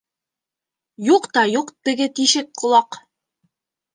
Юҡ та юҡ теге тишек ҡолаҡ.